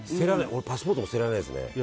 俺、パスポートも捨てられないですね。